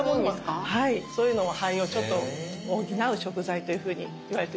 そういうのも肺をちょっと補う食材というふうにいわれてるんですね。